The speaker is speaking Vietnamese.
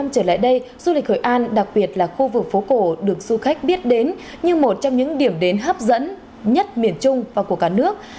cơ sở y tế là khu vực phố cổ được du khách biết đến như một trong những điểm đến hấp dẫn nhất miền trung và của cả nước